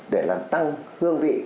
để làm tăng hương vị